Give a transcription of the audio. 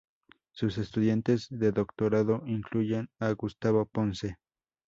Sus estudiantes de doctorado incluyen a Gustavo Ponce.